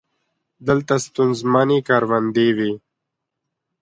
دلته ستونزمنې کروندې وې.